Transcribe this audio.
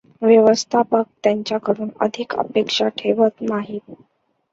व्यवस्थापक त्यांच्याकडून अधिक अपेक्षा ठेवत नाहीत.